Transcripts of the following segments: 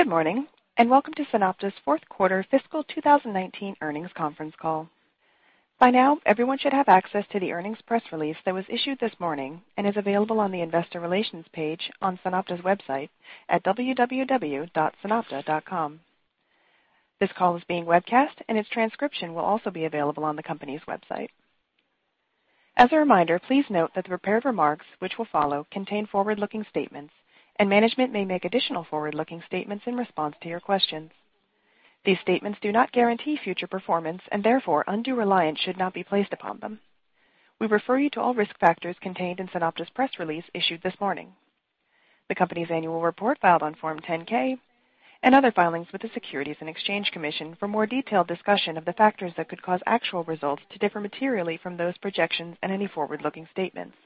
Good morning, and welcome to SunOpta's fourth quarter fiscal 2019 earnings conference call. By now, everyone should have access to the earnings press release that was issued this morning and is available on the investor relations page on SunOpta's website at www.sunopta.com. This call is being webcast, and its transcription will also be available on the company's website. As a reminder, please note that the prepared remarks which will follow contain forward-looking statements, and management may make additional forward-looking statements in response to your questions. These statements do not guarantee future performance, and therefore, undue reliance should not be placed upon them. We refer you to all risk factors contained in SunOpta's press release issued this morning, the company's annual report filed on Form 10-K, and other filings with the Securities and Exchange Commission for more detailed discussion of the factors that could cause actual results to differ materially from those projections and any forward-looking statements.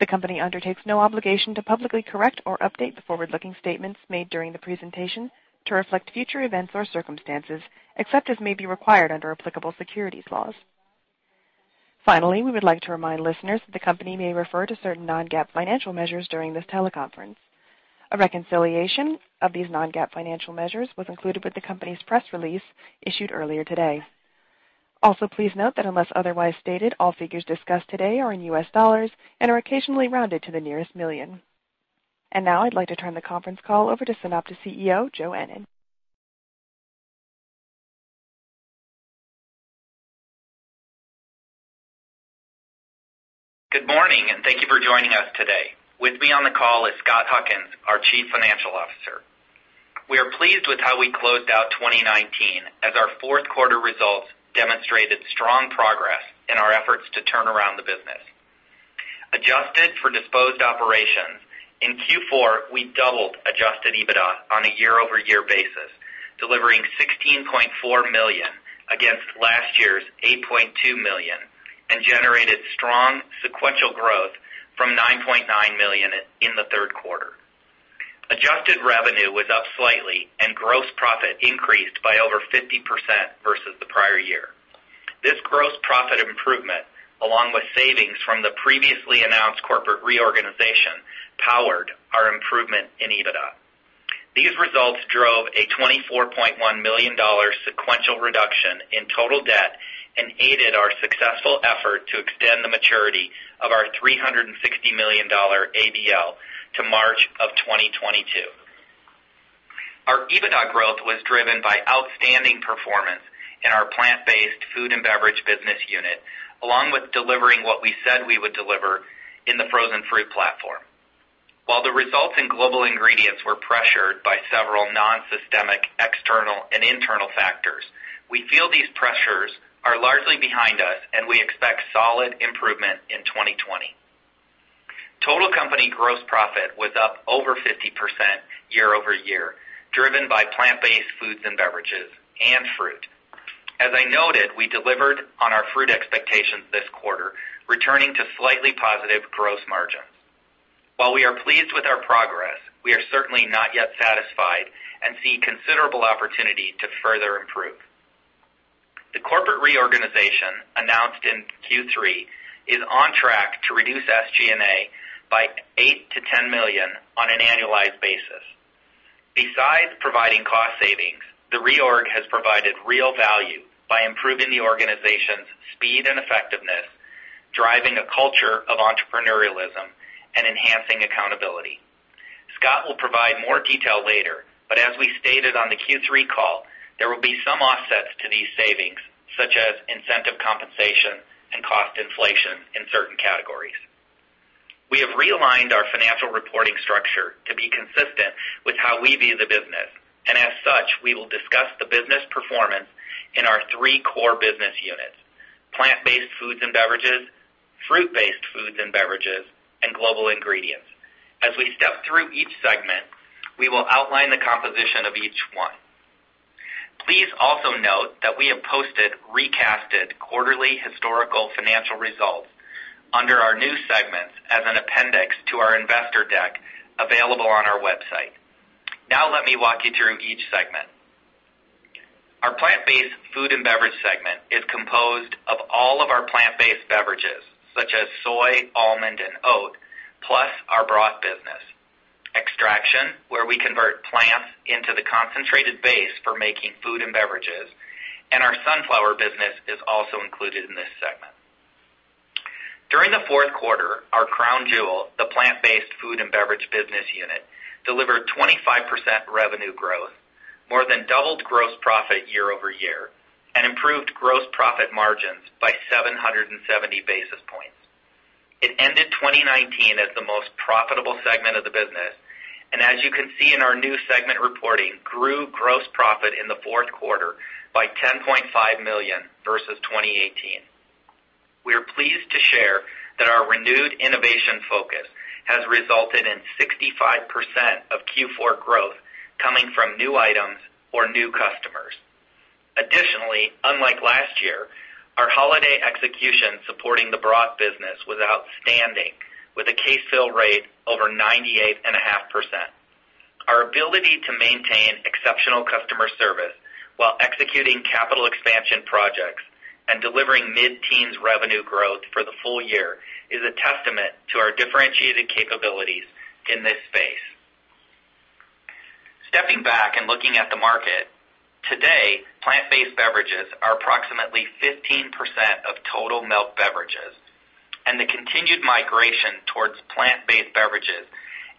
The company undertakes no obligation to publicly correct or update the forward-looking statements made during the presentation to reflect future events or circumstances, except as may be required under applicable securities laws. Finally, we would like to remind listeners that the company may refer to certain non-GAAP financial measures during this teleconference. A reconciliation of these non-GAAP financial measures was included with the company's press release issued earlier today. Also, please note that unless otherwise stated, all figures discussed today are in U.S. dollars and are occasionally rounded to the nearest million. Now I'd like to turn the conference call over to SunOpta CEO, Joe Ennen. Good morning, and thank you for joining us today. With me on the call is Scott Huckins, our Chief Financial Officer. We are pleased with how we closed out 2019 as our fourth quarter results demonstrated strong progress in our efforts to turn around the business. Adjusted for disposed operations, in Q4, we doubled adjusted EBITDA on a year-over-year basis, delivering $16.4 million against last year's $8.2 million, and generated strong sequential growth from $9.9 million in the third quarter. Adjusted revenue was up slightly, and gross profit increased by over 50% versus the prior year. This gross profit improvement, along with savings from the previously announced corporate reorganization, powered our improvement in EBITDA. These results drove a $24.1 million sequential reduction in total debt and aided our successful effort to extend the maturity of our $360 million ABL to March of 2022. Our EBITDA growth was driven by outstanding performance in our plant-based food and beverage business unit, along with delivering what we said we would deliver in the frozen fruit platform. While the results in global ingredients were pressured by several non-systemic external and internal factors, we feel these pressures are largely behind us, and we expect solid improvement in 2020. Total company gross profit was up over 50% year-over-year, driven by plant-based foods and beverages and fruit. As I noted, we delivered on our fruit expectations this quarter, returning to slightly positive gross margins. While we are pleased with our progress, we are certainly not yet satisfied and see considerable opportunity to further improve. The corporate reorganization announced in Q3 is on track to reduce SG&A by $8 million-$10 million on an annualized basis. Besides providing cost savings, the reorg has provided real value by improving the organization's speed and effectiveness, driving a culture of entrepreneurialism, and enhancing accountability. Scott will provide more detail later, but as we stated on the Q3 call, there will be some offsets to these savings, such as incentive compensation and cost inflation in certain categories. We have realigned our financial reporting structure to be consistent with how we view the business, and as such, we will discuss the business performance in our three core business units, Plant-Based Foods and Beverages, Fruit-Based Foods and Beverages, and Global Ingredients. As we step through each segment, we will outline the composition of each one. Please also note that we have posted recasted quarterly historical financial results under our new segments as an appendix to our investor deck available on our website. Now let me walk you through each segment. Our Plant-Based Food and Beverage segment is composed of all of our plant-based beverages such as soy, almond, and oat, plus our broth business. Extraction, where we convert plants into the concentrated base for making food and beverages, and our sunflower business is also included in this segment. During the fourth quarter, our crown jewel, the Plant-Based Food and Beverage business unit, delivered 25% revenue growth, more than doubled gross profit year-over-year, and improved gross profit margins by 770 basis points. It ended 2019 as the most profitable segment of the business, and as you can see in our new segment reporting, grew gross profit in the fourth quarter by $10.5 million versus 2018. We are pleased to share that our renewed innovation focus has resulted in 65% of Q4 growth coming from new items or new customers. Additionally, unlike last year, our holiday execution supporting the broth business was outstanding with a case fill rate over 98.5%. Our ability to maintain exceptional customer service while executing capital expansion projects and delivering mid-teens revenue growth for the full year is a testament to our differentiated capabilities in this space. Stepping back and looking at the market, today, plant-based beverages are approximately 15% of total milk beverages, and the continued migration towards plant-based beverages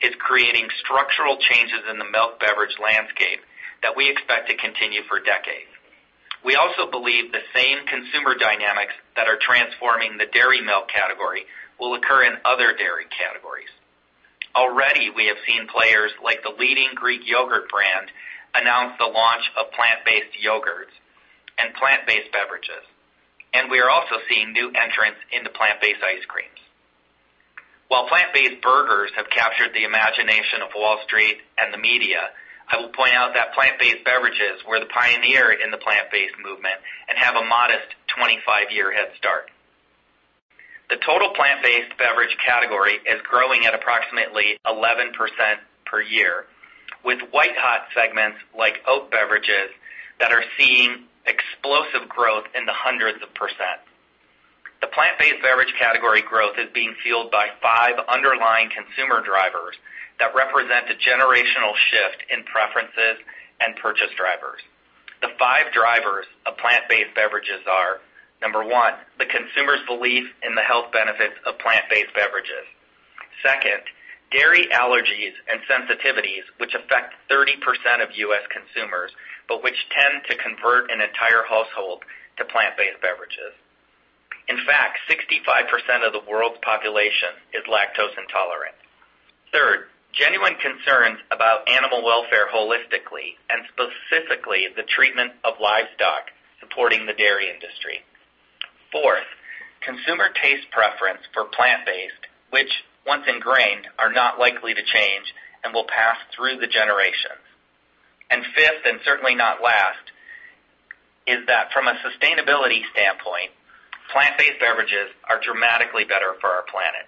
is creating structural changes in the milk beverage landscape that we expect to continue for decades. We also believe the same consumer dynamics that are transforming the dairy milk category will occur in other dairy categories. Already, we have seen players like the leading Greek yogurt brand announce the launch of plant-based yogurts and plant-based beverages, and we are also seeing new entrants into plant-based ice creams. While plant-based burgers have captured the imagination of Wall Street and the media, I will point out that plant-based beverages were the pioneer in the plant-based movement and have a modest 25-year head start. The total plant-based beverage category is growing at approximately 11% per year, with white hot segments like oat beverages that are seeing explosive growth in the hundreds of percent. The plant-based beverage category growth is being fueled by five underlying consumer drivers that represent a generational shift in preferences and purchase drivers. The five drivers of plant-based beverages are, number one, the consumer's belief in the health benefits of plant-based beverages. Second, dairy allergies and sensitivities, which affect 30% of U.S. consumers, but which tend to convert an entire household to plant-based beverages. In fact, 65% of the world's population is lactose intolerant. Third, genuine concerns about animal welfare holistically and specifically the treatment of livestock supporting the dairy industry. Fourth, consumer taste preference for plant-based, which once ingrained, are not likely to change and will pass through the generations. Fifth, and certainly not last, is that from a sustainability standpoint, plant-based beverages are dramatically better for our planet.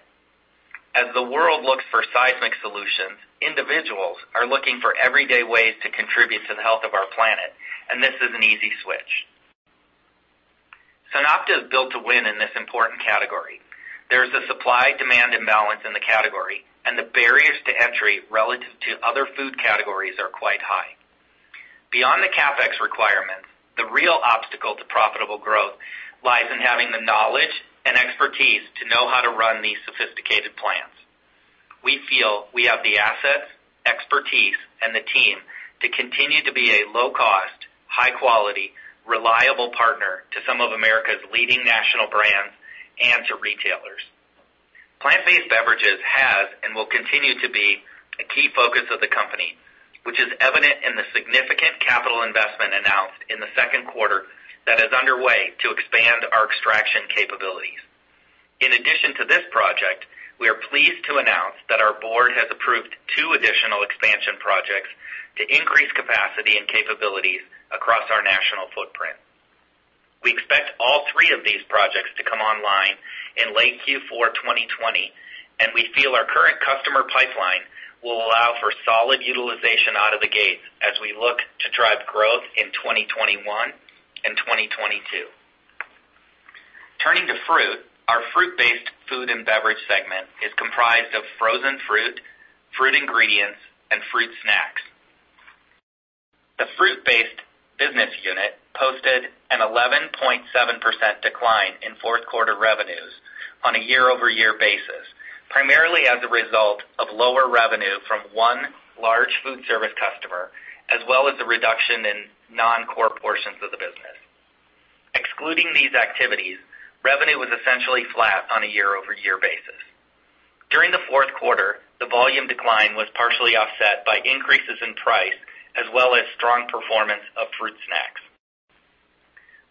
As the world looks for seismic solutions, individuals are looking for everyday ways to contribute to the health of our planet, and this is an easy switch. SunOpta is built to win in this important category. There is a supply-demand imbalance in the category, and the barriers to entry relative to other food categories are quite high. Beyond the CapEx requirements, the real obstacle to profitable growth lies in having the knowledge and expertise to know how to run these sophisticated plans. We feel we have the assets, expertise, and the team to continue to be a low-cost, high-quality, reliable partner to some of America's leading national brands and to retailers. Plant-based beverages have and will continue to be a key focus of the company, which is evident in the significant capital investment announced in the second quarter that is underway to expand our extraction capabilities. In addition to this project, we are pleased to announce that our board has approved two additional expansion projects to increase capacity and capabilities across our national footprint. We expect all three of these projects to come online in late Q4 2020, and we feel our current customer pipeline will allow for solid utilization out of the gate as we look to drive growth in 2021 and 2022. Turning to fruit, our fruit-based Food and Beverage segment is comprised of frozen fruit ingredients, and fruit snacks. The fruit-based business unit posted an 11.7% decline in fourth quarter revenues on a year-over-year basis, primarily as a result of lower revenue from one large food service customer, as well as the reduction in non-core portions of the business. Excluding these activities, revenue was essentially flat on a year-over-year basis. During the fourth quarter, the volume decline was partially offset by increases in price as well as strong performance of fruit snacks.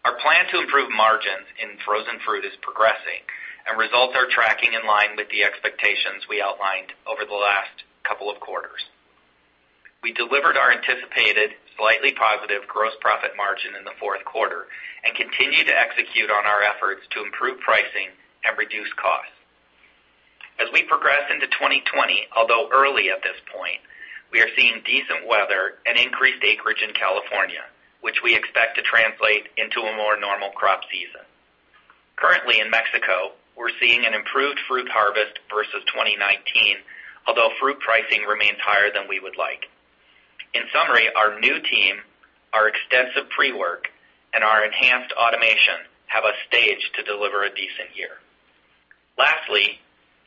Our plan to improve margins in frozen fruit is progressing, and results are tracking in line with the expectations we outlined over the last couple of quarters. We delivered our anticipated slightly positive gross profit margin in the fourth quarter and continue to execute on our efforts to improve pricing and reduce costs. As we progress into 2020, although early at this point, we are seeing decent weather and increased acreage in California, which we expect to translate into a more normal crop season. Currently in Mexico, we're seeing an improved fruit harvest versus 2019, although fruit pricing remains higher than we would like. In summary, our new team, our extensive pre-work, and our enhanced automation have us staged to deliver a decent year. Lastly,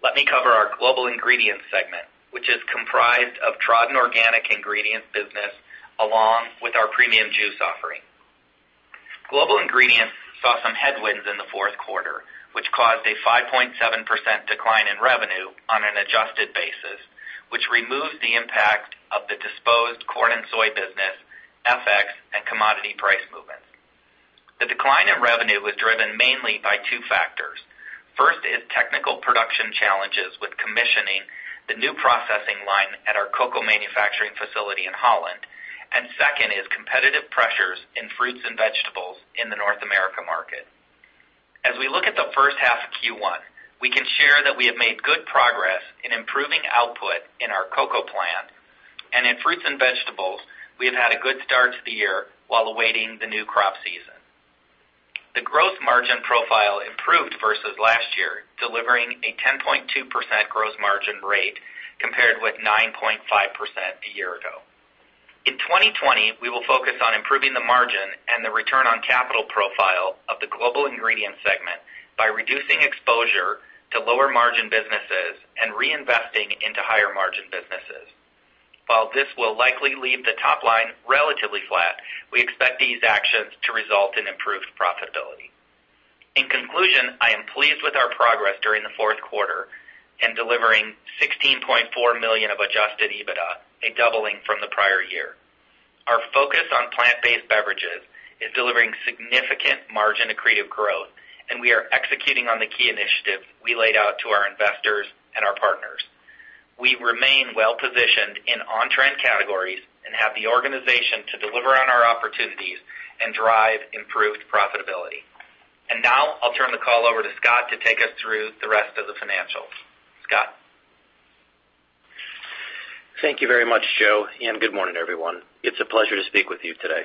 let me cover our Global Ingredient segment, which is comprised of Tradin Organic Ingredients business along with our premium juice offering. Global Ingredients saw some headwinds in the fourth quarter, which caused a 5.7% decline in revenue on an adjusted basis, which removes the impact of the disposed corn and soy business, FX, and commodity price movements. The decline in revenue was driven mainly by two factors. First is technical production challenges with commissioning the new processing line at our cocoa manufacturing facility in Holland. Second is competitive pressures in fruits and vegetables in the North America market. As we look at the first half of Q1, we can share that we have made good progress in improving output in our cocoa plant. In fruits and vegetables, we have had a good start to the year while awaiting the new crop season. The growth margin profile improved versus last year, delivering a 10.2% gross margin rate compared with 9.5% a year ago. In 2020, we will focus on improving the margin and the return on capital profile of the global ingredient segment by reducing exposure to lower margin businesses and reinvesting into higher margin businesses. While this will likely leave the top line relatively flat, we expect these actions to result in improved profitability. In conclusion, I am pleased with our progress during the fourth quarter in delivering $16.4 million of adjusted EBITDA, a doubling from the prior year. Our focus on plant-based beverages is delivering significant margin accretive growth, we are executing on the key initiatives we laid out to our investors and our partners. We remain well-positioned in on-trend categories and have the organization to deliver on our opportunities and drive improved profitability. Now I'll turn the call over to Scott to take us through the rest of the financials. Scott? Thank you very much, Joe, and good morning, everyone. It's a pleasure to speak with you today.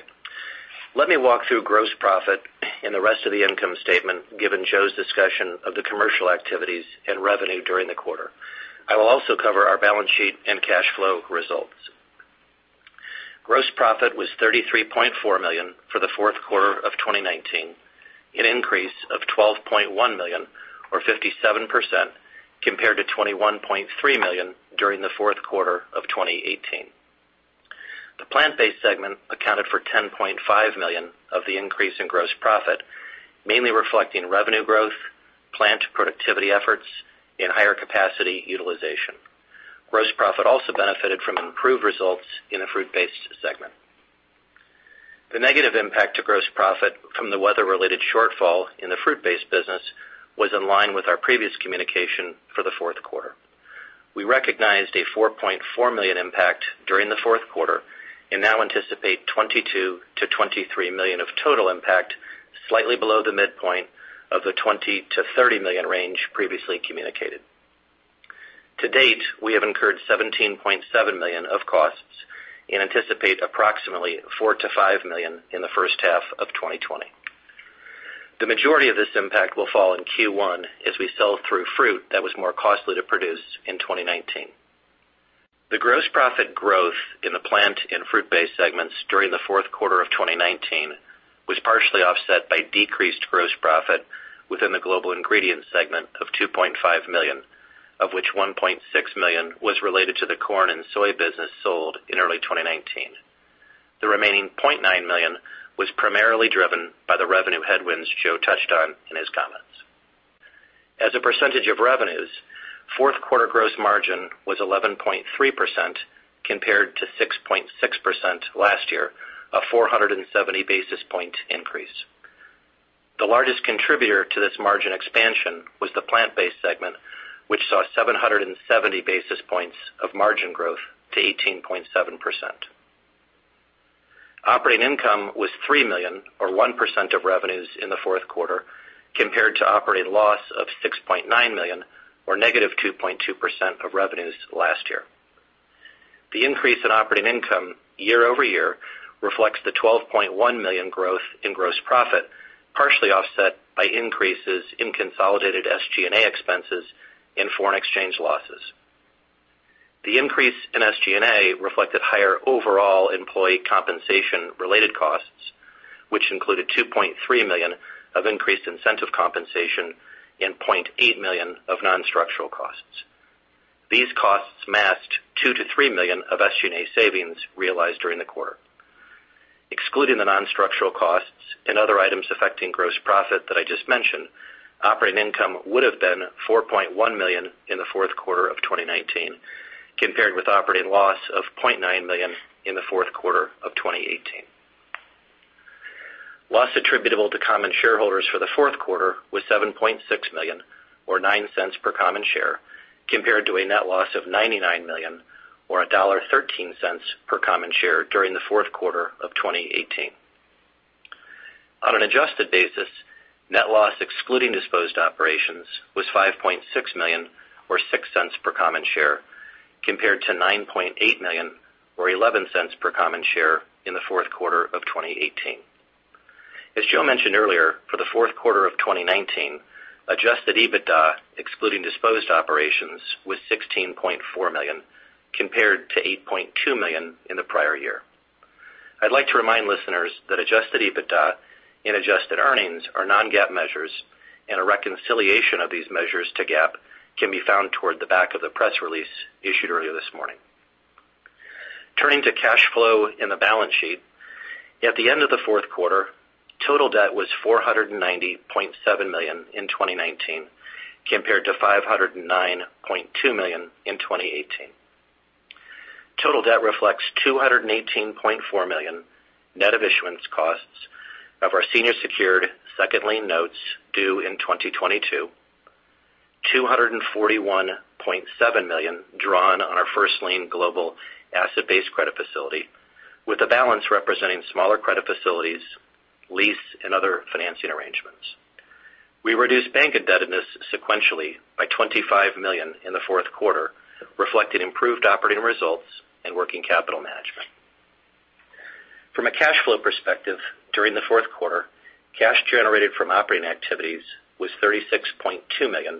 Let me walk through gross profit and the rest of the income statement, given Joe's discussion of the commercial activities and revenue during the quarter. I will also cover our balance sheet and cash flow results. Gross profit was $33.4 million for the fourth quarter of 2019, an increase of $12.1 million or 57%, compared to $21.3 million during the fourth quarter of 2018. The Plant-Based segment accounted for $10.5 million of the increase in gross profit, mainly reflecting revenue growth, plant productivity efforts, and higher capacity utilization. Gross profit also benefited from improved results in the Fruit-Based segment. The negative impact to gross profit from the weather-related shortfall in the Fruit-Based business was in line with our previous communication for the fourth quarter. We recognized a $4.4 million impact during the fourth quarter and now anticipate $22 million-$23 million of total impact, slightly below the midpoint of the $20 million-$30 million range previously communicated. To date, we have incurred $17.7 million of costs and anticipate approximately $4 million-$5 million in the first half of 2020. The majority of this impact will fall in Q1 as we sell through fruit that was more costly to produce in 2019. The gross profit growth in the Plant and Fruit-Based segments during the fourth quarter of 2019 was partially offset by decreased gross profit within the Global Ingredient segment of $2.5 million, of which $1.6 million was related to the corn and soy business sold in early 2019. The remaining $0.9 million was primarily driven by the revenue headwinds Joe touched on in his comments. As a percentage of revenues, fourth quarter gross margin was 11.3% compared to 6.6% last year, a 470 basis point increase. The largest contributor to this margin expansion was the Plant-Based segment, which saw 770 basis points of margin growth to 18.7%. Operating income was $3 million or 1% of revenues in the fourth quarter, compared to operating loss of $6.9 million or -2.2% of revenues last year. The increase in operating income year-over-year reflects the $12.1 million growth in gross profit, partially offset by increases in consolidated SG&A expenses and foreign exchange losses. The increase in SG&A reflected higher overall employee compensation related costs, which included $2.3 million of increased incentive compensation and $0.8 million of non-structural costs. These costs masked $2 million-$3 million of SG&A savings realized during the quarter. Excluding the non-structural costs and other items affecting gross profit that I just mentioned, operating income would have been $4.1 million in the fourth quarter of 2019, compared with operating loss of $0.9 million in the fourth quarter of 2018. Loss attributable to common shareholders for the fourth quarter was $7.6 million or $0.09 per common share, compared to a net loss of $99 million or $1.13 per common share during the fourth quarter of 2018. On an adjusted basis, net loss excluding disposed operations was $5.6 million or $0.06 per common share, compared to $9.8 million or $0.11 per common share in the fourth quarter of 2018. As Joe mentioned earlier, for the fourth quarter of 2019, adjusted EBITDA excluding disposed operations was $16.4 million compared to $8.2 million in the prior year. I'd like to remind listeners that adjusted EBITDA and adjusted earnings are non-GAAP measures, and a reconciliation of these measures to GAAP can be found toward the back of the press release issued earlier this morning. Turning to cash flow and the balance sheet, at the end of the fourth quarter, total debt was $490.7 million in 2019 compared to $509.2 million in 2018. Total debt reflects $218.4 million net of issuance costs of our senior secured second lien notes due in 2022, $241.7 million drawn on our first-lien global asset-based credit facility, with the balance representing smaller credit facilities, lease, and other financing arrangements. We reduced bank indebtedness sequentially by $25 million in the fourth quarter, reflecting improved operating results and working capital management. From a cash flow perspective, during the fourth quarter, cash generated from operating activities was $36.2 million,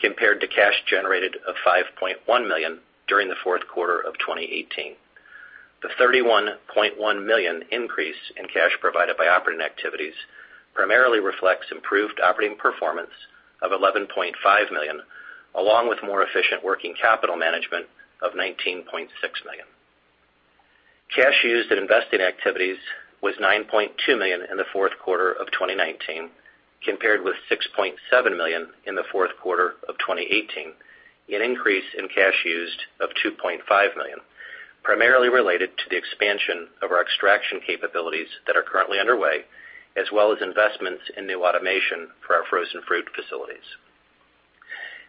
compared to cash generated of $5.1 million during the fourth quarter of 2018. The $31.1 million increase in cash provided by operating activities primarily reflects improved operating performance of $11.5 million, along with more efficient working capital management of $19.6 million. Cash used in investing activities was $9.2 million in the fourth quarter of 2019, compared with $6.7 million in the fourth quarter of 2018, an increase in cash used of $2.5 million, primarily related to the expansion of our extraction capabilities that are currently underway, as well as investments in new automation for our frozen fruit facilities.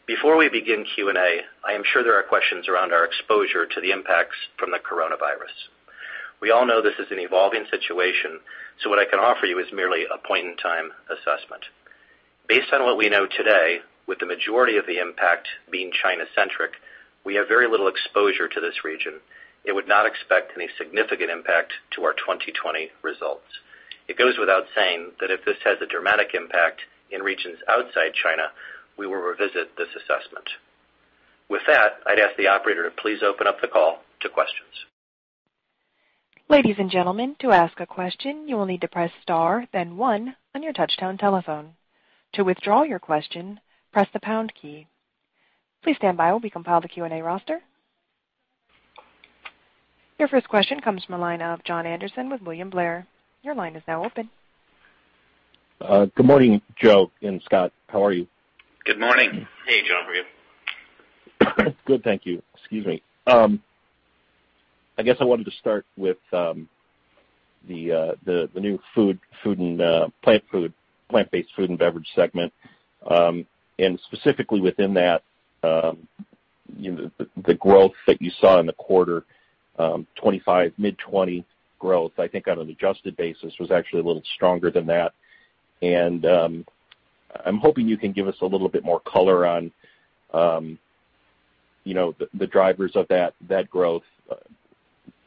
Before we begin Q&A, I am sure there are questions around our exposure to the impacts from the coronavirus. We all know this is an evolving situation. What I can offer you is merely a point-in-time assessment. Based on what we know today, with the majority of the impact being China-centric, we have very little exposure to this region and would not expect any significant impact to our 2020 results. It goes without saying that if this has a dramatic impact in regions outside China, we will revisit this assessment. With that, I'd ask the operator to please open up the call to questions. Ladies and gentlemen, to ask a question, you will need to press star then one on your touchtone telephone. To withdraw your question, press the pound key. Please stand by while we compile the Q&A roster. Your first question comes from the line of Jon Andersen with William Blair. Your line is now open. Good morning, Joe and Scott. How are you? Good morning. Hey, Jon. How are you? Good, thank you. Excuse me. I guess I wanted to start with the new Plant-Based Food and Beverage segment, specifically within that, the growth that you saw in the quarter, 25%, mid-20% growth, I think on an adjusted basis was actually a little stronger than that. I'm hoping you can give us a little bit more color on the drivers of that growth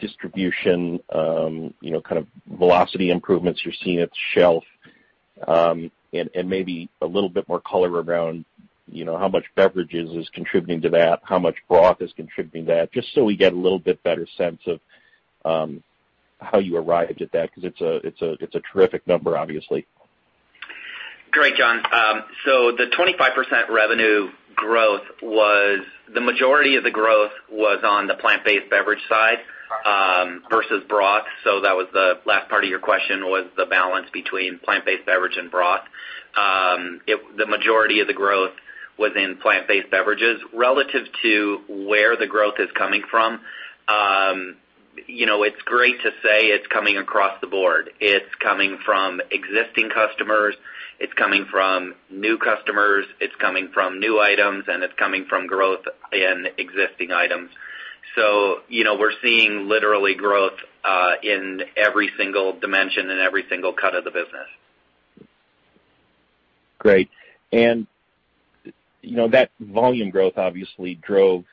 distribution, kind of velocity improvements you're seeing at shelf, maybe a little bit more color around how much beverages is contributing to that, how much broth is contributing to that, just so we get a little bit better sense of how you arrived at that, because it's a terrific number, obviously. Great, Jon. The 25% revenue growth, the majority of the growth was on the plant-based beverage side versus broth. That was the last part of your question was the balance between plant-based beverage and broth. The majority of the growth was in plant-based beverages. Relative to where the growth is coming from, it's great to say it's coming across the board. It's coming from existing customers, it's coming from new customers, it's coming from new items, and it's coming from growth in existing items. We're seeing literally growth in every single dimension and every single cut of the business. Great. That volume growth obviously drove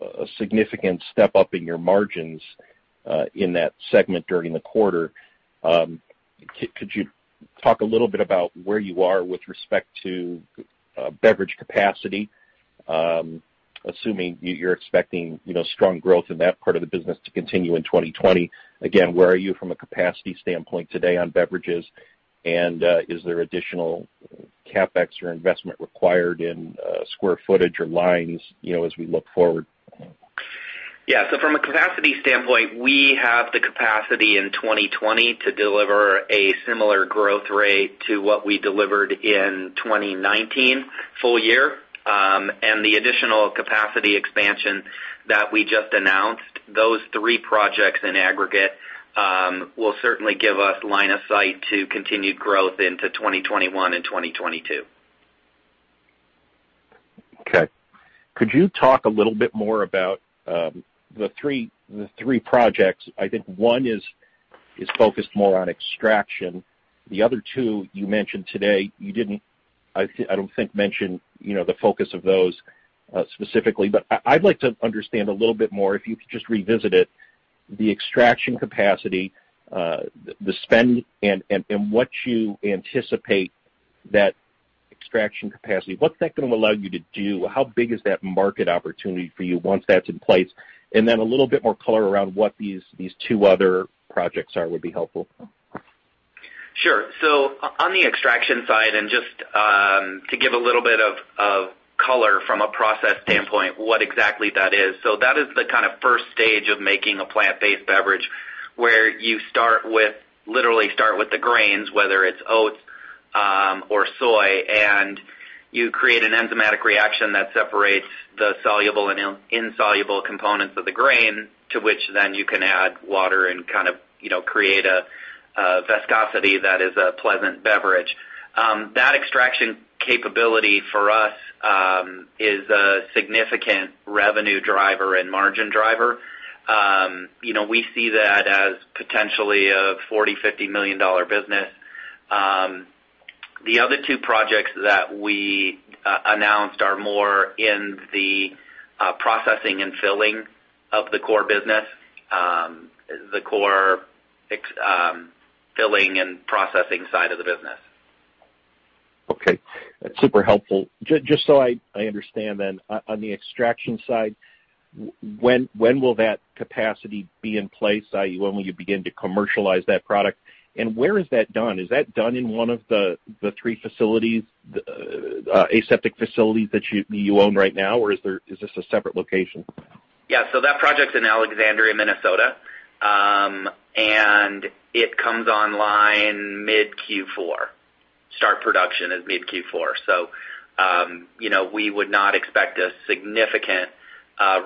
a significant step-up in your margins in that segment during the quarter. Could you talk a little bit about where you are with respect to beverage capacity? Assuming you're expecting strong growth in that part of the business to continue in 2020. Again, where are you from a capacity standpoint today on beverages, and is there additional CapEx or investment required in square footage or lines as we look forward? From a capacity standpoint, we have the capacity in 2020 to deliver a similar growth rate to what we delivered in 2019 full year. The additional capacity expansion that we just announced, those three projects in aggregate, will certainly give us line of sight to continued growth into 2021 and 2022. Okay. Could you talk a little bit more about the three projects? I think one is focused more on extraction. The other two you mentioned today, you didn't, I don't think, mention the focus of those specifically. I'd like to understand a little bit more, if you could just revisit it, the extraction capacity, the spend and what you anticipate that extraction capacity, what's that going to allow you to do? How big is that market opportunity for you once that's in place? A little bit more color around what these two other projects are, would be helpful. Sure. On the extraction side, and just to give a little bit of color from a process standpoint, what exactly that is. That is the kind of first stage of making a plant-based beverage, where you literally start with the grains, whether it's oats or soy, and you create an enzymatic reaction that separates the soluble and insoluble components of the grain, to which then you can add water and kind of create a viscosity that is a pleasant beverage. That extraction capability for us is a significant revenue driver and margin driver. We see that as potentially a $40 million-$50 million business. The other two projects that we announced are more in the processing and filling of the core business, the core filling and processing side of the business. Okay. That's super helpful. Just so I understand then, on the extraction side, when will that capacity be in place, i.e., when will you begin to commercialize that product? Where is that done? Is that done in one of the three aseptic facilities that you own right now, or is this a separate location? Yeah. That project's in Alexandria, Minnesota. It comes online mid Q4. Start production is mid Q4. We would not expect a significant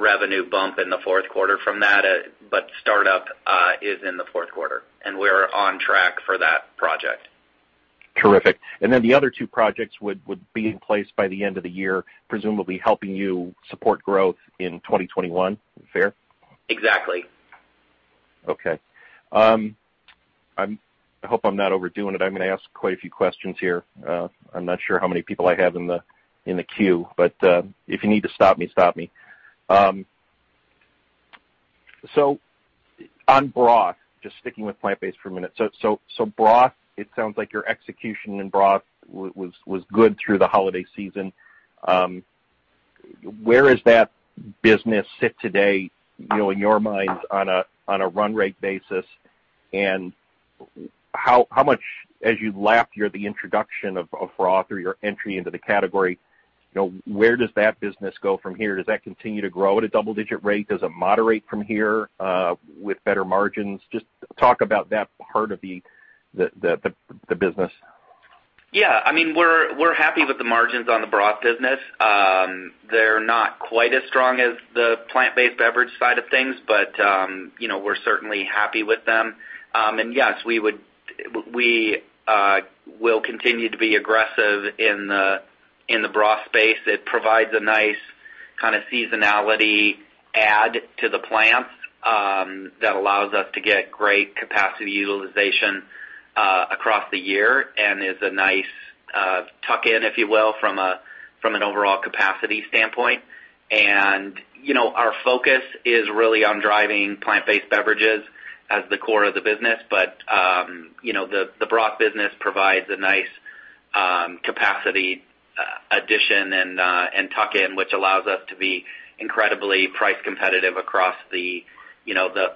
revenue bump in the fourth quarter from that, but startup is in the fourth quarter, and we're on track for that project. Terrific. Then the other two projects would be in place by the end of the year, presumably helping you support growth in 2021. Fair? Exactly. Okay. I hope I'm not overdoing it. I'm going to ask quite a few questions here. I'm not sure how many people I have in the queue, but, if you need to stop me, stop me. On broth, just sticking with plant-based for a minute. Broth, it sounds like your execution in broth was good through the holiday season. Where does that business sit today, in your mind, on a run rate basis? How much, as you lap the introduction of broth or your entry into the category, where does that business go from here? Does that continue to grow at a double-digit rate? Does it moderate from here with better margins? Just talk about that part of the business. Yeah. We're happy with the margins on the broth business. They're not quite as strong as the plant-based beverage side of things, but we're certainly happy with them. Yes, we will continue to be aggressive in the broth space. It provides a nice kind of seasonality add to the plants that allows us to get great capacity utilization across the year and is a nice tuck-in, if you will, from an overall capacity standpoint. Our focus is really on driving plant-based beverages as the core of the business, but the broth business provides a nice capacity addition and tuck-in, which allows us to be incredibly price competitive across the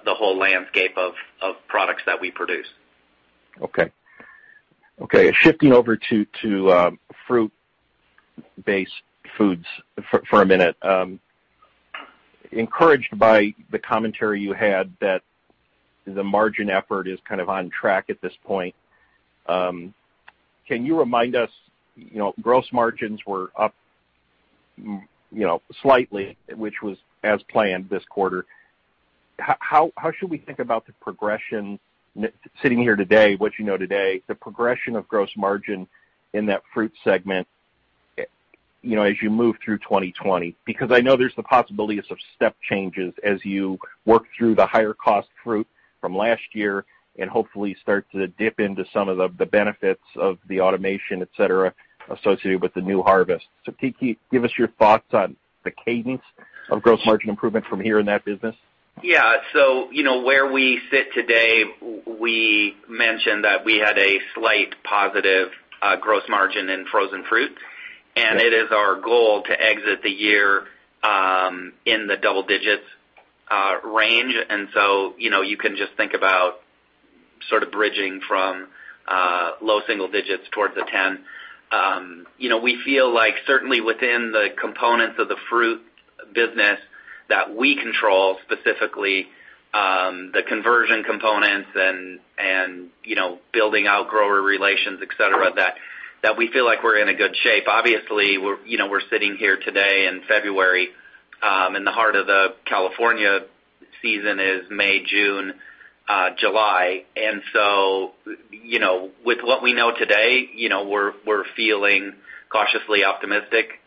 whole landscape of products that we produce. Okay. Shifting over to fruit-based foods for a minute. Encouraged by the commentary you had that the margin effort is kind of on track at this point. Can you remind us, gross margins were up slightly, which was as planned this quarter. How should we think about the progression, sitting here today, what you know today, the progression of gross margin in that fruit segment as you move through 2020? I know there's the possibilities of step changes as you work through the higher cost fruit from last year and hopefully start to dip into some of the benefits of the automation, et cetera, associated with the new harvest. [Kiki], give us your thoughts on the cadence of gross margin improvement from here in that business. Yeah. Where we sit today, we mentioned that we had a slight positive gross margin in frozen fruit. It is our goal to exit the year in the double-digit range. You can just think about sort of bridging from low single digits towards a 10%. We feel like certainly within the components of the fruit business that we control specifically, the conversion components and building out grower relations, et cetera, that we feel like we're in a good shape. Obviously, we're sitting here today in February, and the heart of the California season is May, June, July. With what we know today, we're feeling cautiously optimistic.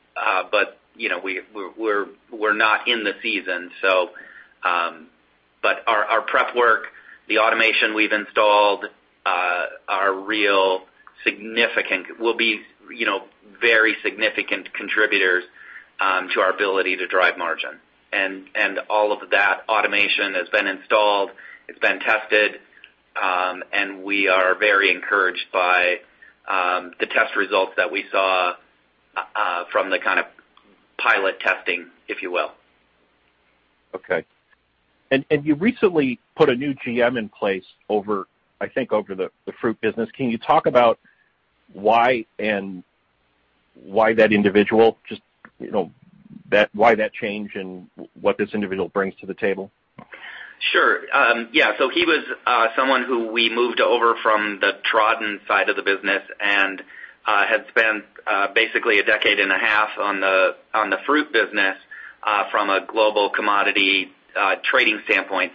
We're not in the season. Our prep work, the automation we've installed, are real significant. We'll be very significant contributors to our ability to drive margin. All of that automation has been installed, it's been tested, and we are very encouraged by the test results that we saw from the kind of pilot testing, if you will. Okay. You recently put a new GM in place over, I think, over the fruit business. Can you talk about why, and why that individual? Just why that change and what this individual brings to the table? Sure. Yeah. He was someone who we moved over from the Tradin side of the business and had spent basically a decade and a half on the fruit business. From a global commodity trading standpoint.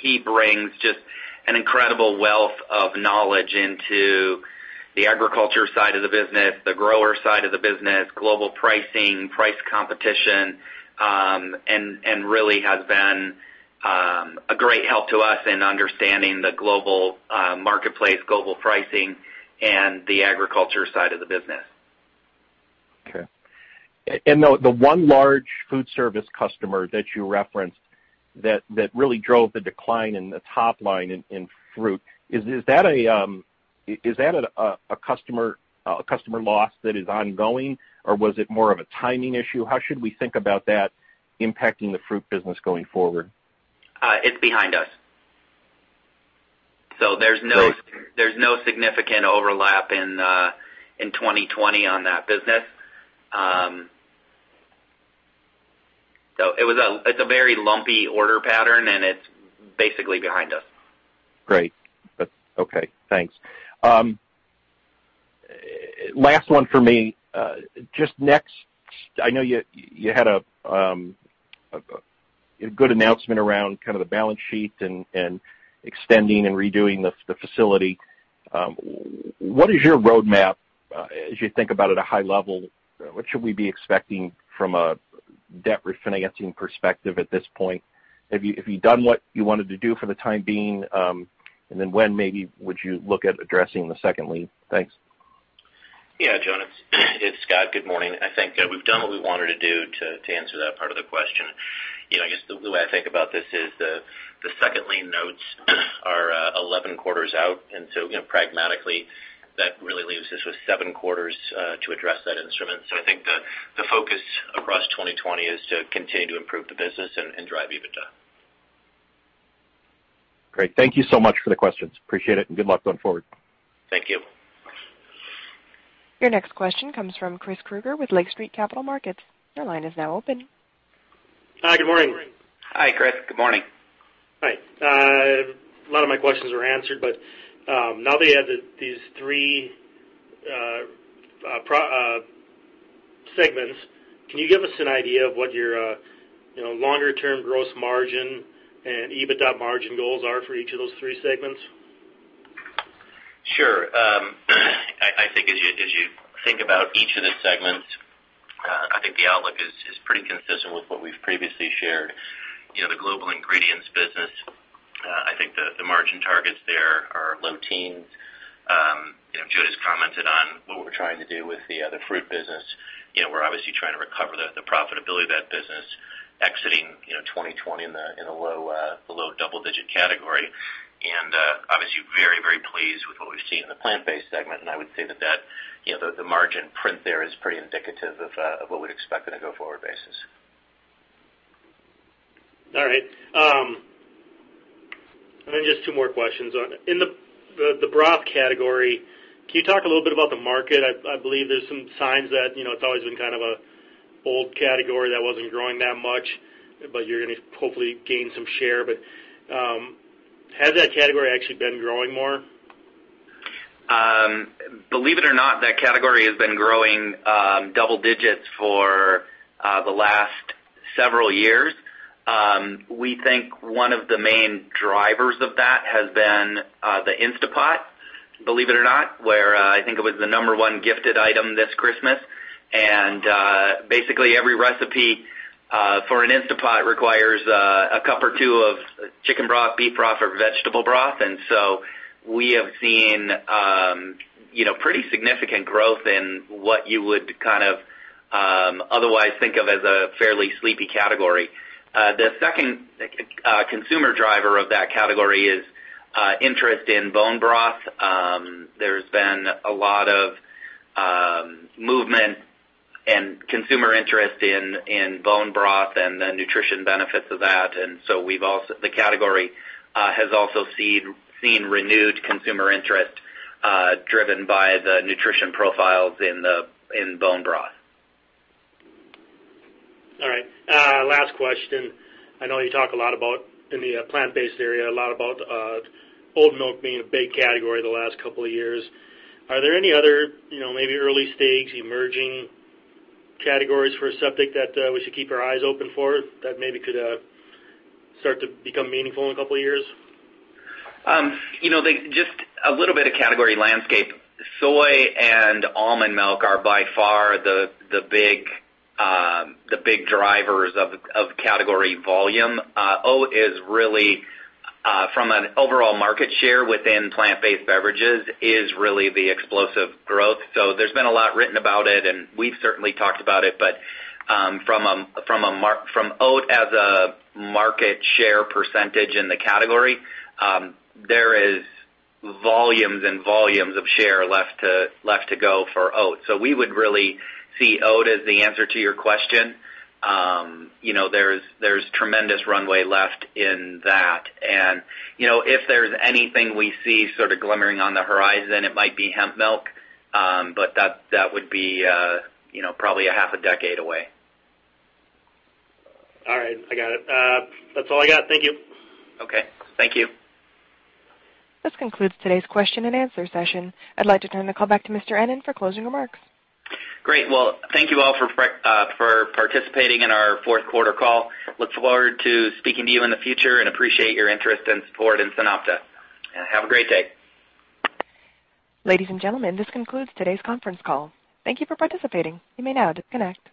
He brings just an incredible wealth of knowledge into the agriculture side of the business, the grower side of the business, global pricing, price competition, and really has been a great help to us in understanding the global marketplace, global pricing, and the agriculture side of the business. Okay. The one large food service customer that you referenced that really drove the decline in the top line in fruit, is that a customer loss that is ongoing, or was it more of a timing issue? How should we think about that impacting the fruit business going forward? It's behind us. There's no significant overlap in 2020 on that business. It's a very lumpy order pattern, and it's basically behind us. Great. That's okay. Thanks. Last one for me. Just next, I know you had a good announcement around the balance sheet and extending and redoing the facility. What is your roadmap as you think about it at high level? What should we be expecting from a debt refinancing perspective at this point? Have you done what you wanted to do for the time being? When maybe would you look at addressing the second lien? Thanks. Yeah, Jon, it's Scott. Good morning. I think we've done what we wanted to do to answer that part of the question. I guess the way I think about this is the second lien notes are 11 quarters out. Pragmatically, that really leaves us with seven quarters to address that instrument. I think the focus across 2020 is to continue to improve the business and drive EBITDA. Great. Thank you so much for the questions. Appreciate it and good luck going forward. Thank you. Your next question comes from Chris Krueger with Lake Street Capital Markets. Your line is now open. Hi, good morning. Hi, Chris. Good morning. Hi. A lot of my questions were answered, but now that you added these three segments, can you give us an idea of what your longer-term gross margin and EBITDA margin goals are for each of those three segments? Sure. I think as you think about each of the segments, I think the outlook is pretty consistent with what we've previously shared. The Global Ingredients business, I think the margin targets there are low teens. Joe's commented on what we're trying to do with the other fruit business. We're obviously trying to recover the profitability of that business exiting 2020 in the low double digit category. Obviously very, very pleased with what we've seen in the plant-based segment, and I would say that the margin print there is pretty indicative of what we'd expect on a go-forward basis. All right. Just two more questions. In the broth category, can you talk a little bit about the market? I believe there's some signs that it's always been kind of an old category that wasn't growing that much, but you're going to hopefully gain some share, but has that category actually been growing more? Believe it or not, that category has been growing double digits for the last several years. We think one of the main drivers of that has been the Instant Pot, believe it or not, where I think it was the number one gifted item this Christmas. Basically, every recipe for an Instant Pot requires a cup or two of chicken broth, beef broth, or vegetable broth. We have seen pretty significant growth in what you would kind of otherwise think of as a fairly sleepy category. The second consumer driver of that category is interest in bone broth. There's been a lot of movement and consumer interest in bone broth and the nutrition benefits of that. The category has also seen renewed consumer interest driven by the nutrition profiles in bone broth. All right. Last question. I know you talk a lot about in the plant-based area, a lot about oat milk being a big category the last couple of years. Are there any other maybe early stage emerging categories for SunOpta that we should keep our eyes open for that maybe could start to become meaningful in a couple of years? Just a little bit of category landscape. Soy and almond milk are by far the big drivers of category volume. Oat, from an overall market share within plant-based beverages, is really the explosive growth. There's been a lot written about it, and we've certainly talked about it, but from oat as a market share percentage in the category, there is volumes and volumes of share left to go for oat. We would really see oat as the answer to your question. There's tremendous runway left in that. If there's anything we see sort of glimmering on the horizon, it might be hemp milk, but that would be probably a half a decade away. All right, I got it. That's all I got. Thank you. Okay. Thank you. This concludes today's question and answer session. I'd like to turn the call back to Mr. Ennen for closing remarks. Great. Well, thank you all for participating in our fourth quarter call. Look forward to speaking to you in the future and appreciate your interest and support in SunOpta. Have a great day. Ladies and gentlemen, this concludes today's conference call. Thank you for participating. You may now disconnect.